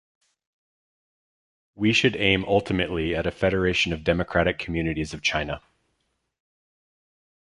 We should aim ultimately at a federation of democratic communities of China.